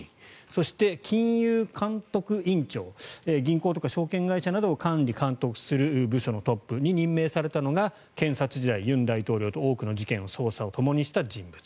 そして、金融監督院長銀行とか証券会社などを管理・監督する部署のトップに任命されたのが検察時代、尹大統領と多くの事件の捜査をともにした人物。